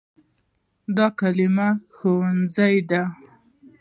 دا کلمه “ښوونځی” ده.